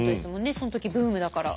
その時ブームだから。